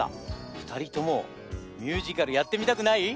ふたりともミュージカルやってみたくない？